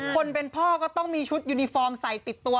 คนเป็นพ่อก็ต้องมีชุดยูนิฟอร์มใส่ติดตัว